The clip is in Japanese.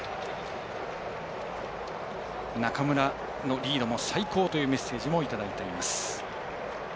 中村のリードも最高というメッセージもいただいています。